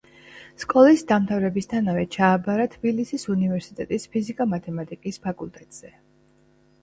სკოლის დამთავრებისთანავე ჩააბარა თბილისის უნივერსიტეტის ფიზიკა-მათემატიკის ფაკულტეტზე.